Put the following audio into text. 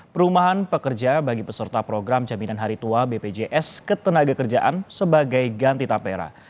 perumahan pekerja bagi peserta program jaminan hari tua bpjs ketenaga kerjaan sebagai ganti tapera